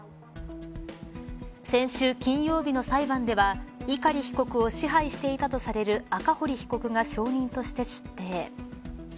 先週金曜日の裁判では碇被告を支配していたとされる赤堀被告が証人として出廷。